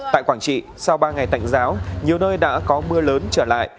tại quảng trị sau ba ngày tạnh giáo nhiều nơi đã có mưa lớn trở lại